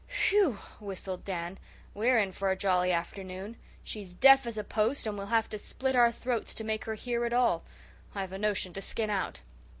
"Whew!" whistled Dan. "We're in for a jolly afternoon. She's deaf as a post and we'll have to split our throats to make her hear at all. I've a notion to skin out."